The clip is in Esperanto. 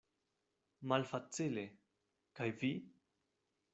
Malfacile; kaj vi?